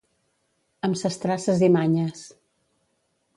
Amb ses traces i manyes.